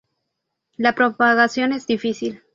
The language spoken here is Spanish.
La propagación es difícil.